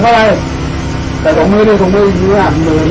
แต่ถ้ามันเจ็บมันก็ไม่เติมดีนะครับแม่สี่เดี๋ยวเขามีเนื้อเห็ด